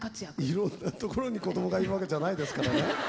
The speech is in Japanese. いろんなところにこどもがいるわけじゃないですからね。